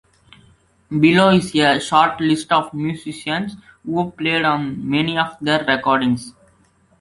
Below is a short list of musicians who played on many of their recordings.